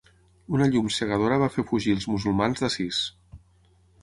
Una llum cegadora va fer fugir als musulmans d'Assís.